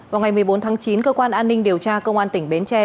vào ngày một mươi bốn tháng chín cơ quan an ninh điều tra công an tỉnh bến tre